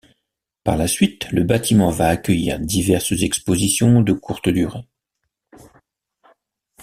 Par la suite, le bâtiment va accueillir diverses expositions de courte durée.